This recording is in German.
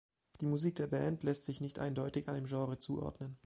Die Musik der Band lässt sich nicht eindeutig einem Genre zuordnen.